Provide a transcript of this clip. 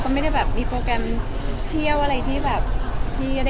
ไม่ได้มีโปรแกรมเที่ยวอะไรที่เร่งรีบ